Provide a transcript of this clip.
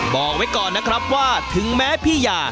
บอกไว้ก่อนนะครับว่าถึงแม้พี่ยา